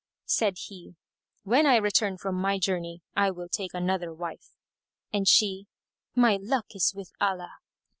Said he, "When I return from my journey, I will take another wife;" and she, "My luck is with Allah!"